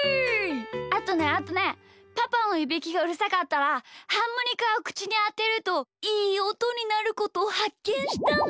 あとねあとねパパのいびきがうるさかったらハーモニカをくちにあてるといいおとになることをはっけんしたんだ。